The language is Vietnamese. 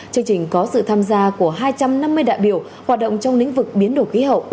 chương trình có sự tham gia của hai trăm năm mươi đại biểu hoạt động trong lĩnh vực biến đổi khí hậu